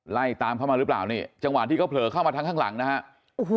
ไล่ตามเข้ามาหรือเปล่านี่จังหวะที่เขาเผลอเข้ามาทางข้างหลังนะฮะโอ้โห